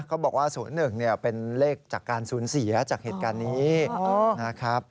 เขาบอกว่า๐๑เนี่ยเป็นเลขจากการศูนย์เสียจากเหตุการณ์นี้นะครับ